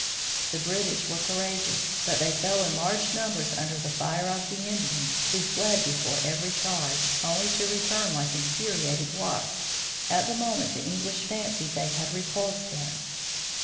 The British were courageous, but they fell in large numbers under the fire of the Indians, who fled before every charge, only to return like infuriated wasps at the moment the English fancied they had repulsed them.